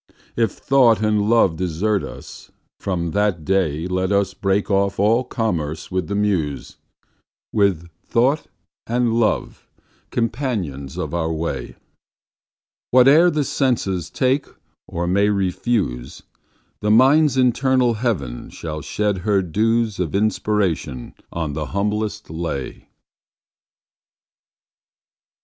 —If Thought and Love desert us, from that dayLet us break off all commerce with the Muse:With Thought and Love companions of our way—Whate'er the senses take or may refuse,—The Mind's internal heaven shall shed her dewsOf inspiration on the humblest lay.